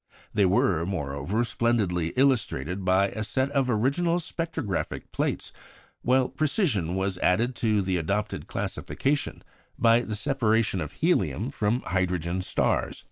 They were, moreover, splendidly illustrated by a set of original spectrographic plates, while precision was added to the adopted classification by the separation of helium from hydrogen stars.